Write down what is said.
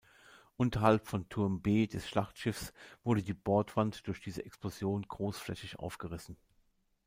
Unterhalb von Turm „B“ des Schlachtschiffs wurde die Bordwand durch diese Explosion großflächig aufgerissen.